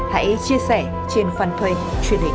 hãy chia sẻ trên fanpage truyền hình công an nhân dân